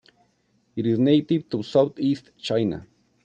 It is native to southeast China.